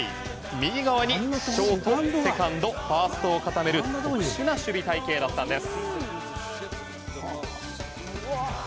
右側にショート、セカンドファーストを固める特殊な守備隊形だったんです。